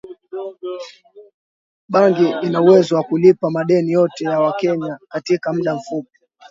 bangi ina uwezo wa kulipa madeni yote ya Kenya katika mda mfupi